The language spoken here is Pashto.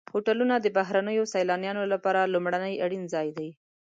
هوټلونه د بهرنیو سیلانیانو لپاره لومړنی اړین ځای دی.